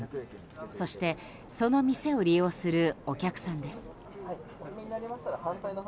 そして、その店を利用するお客さんです。